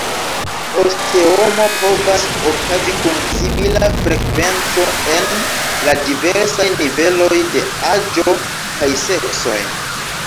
Osteomo povas okazi kun simila frekvenco en la diversaj niveloj de aĝo kaj seksoj.